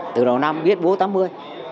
từ đầu năm biết bố tám mươi